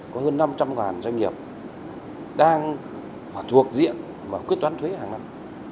có hơn năm trăm linh doanh nghiệp đang thuộc diện và quyết toán thuế hàng năm